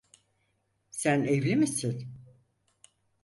Sen evli misin?